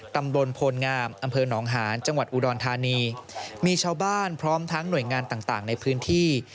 ตำบลโพลงามอำเภอหนองหานจังหวัดอุดรธานีมีชาวบ้านพร้อมทั้งหน่วยงานต่างในพื้นที่